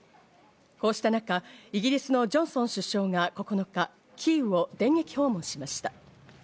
こうした中、イギリスのジョンソン首相が９日、キーウを電撃訪問しました。